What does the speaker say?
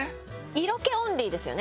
色気オンリーですよね。